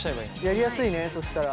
やりやすいねそしたら。